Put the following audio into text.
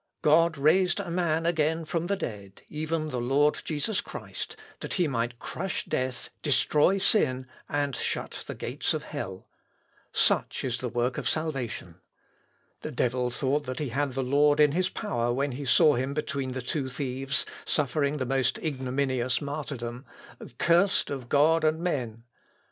God raised a man again from the dead, even the Lord Jesus Christ, that he might crush death, destroy sin, and shut the gates of hell. Such is the work of salvation. The devil thought that he had the Lord in his power when he saw him between the two thieves, suffering the most ignominious martyrdom, accursed of God and men....